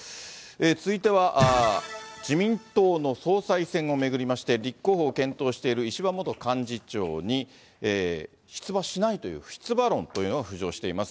続いては、自民党の総裁選を巡りまして、立候補を検討している石破元幹事長に出馬しないという、不出馬論というのが浮上しています。